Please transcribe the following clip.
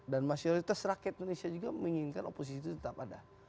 dan masyarakat rakyat indonesia juga menginginkan oposisi itu tetap ada